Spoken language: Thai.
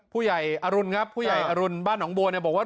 ผู้ใหญ่อรุณครับผู้ใหญ่อรุณบ้านหนองบัวบอกว่า